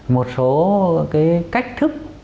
một số cái cách thức